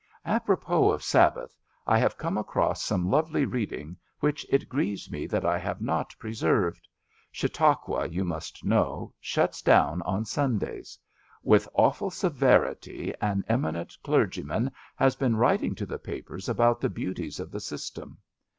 Apropos of Sabbath, I have come across some lovely reading which it grieves me that I have not preserved. Chautauqua, you must know, shuts down on Sundays. With awful severity an eminent clergyman has been writing to the papers about the beauties of the system.